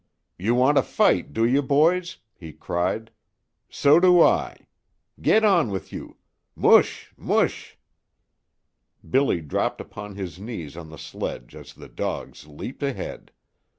"You want a fight, do you, boys?" he cried. "So do I. Get on with you! M'hoosh! M'hoosh!" Billy dropped upon his knees on the sledge as the dogs leaped ahead.